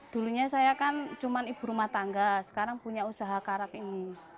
dulunya saya kan cuma ibu rumah tangga sekarang punya usaha karap ini